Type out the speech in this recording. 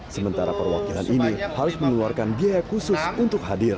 sementara perwakilan ini harus mengeluarkan biaya khusus untuk hadir